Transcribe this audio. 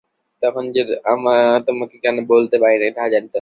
তখন যে তোমাকে কেন বলিতে পারি নাই, তাহা জানি না।